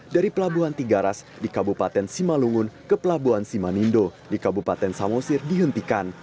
dari pelabuhan tiga ras di kabupaten simalungun ke pelabuhan simanindo di kabupaten samosir dihentikan